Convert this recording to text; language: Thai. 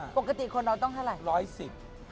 ปกติคนเราต้องเท่าไร๑๑๐